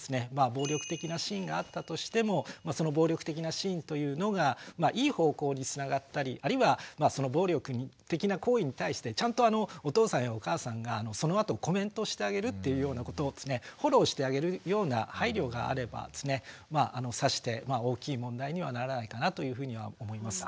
暴力的なシーンがあったとしてもその暴力的なシーンというのがいい方向につながったりあるいはその暴力的な行為に対してちゃんとお父さんやお母さんがそのあとコメントしてあげるっていうようなことをですねフォローしてあげるような配慮があればですねさして大きい問題にはならないかなというふうには思います。